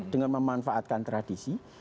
dengan memanfaatkan tradisi